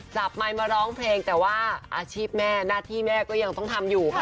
ไมค์มาร้องเพลงแต่ว่าอาชีพแม่หน้าที่แม่ก็ยังต้องทำอยู่ค่ะ